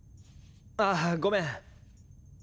あぁごめん。